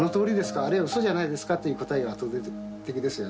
「あれはウソじゃないですか？」っていう答えが圧倒的ですよね。